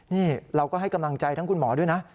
นี่เราก็ให้กำลังใจทั้งคุณหมอด้วยนะ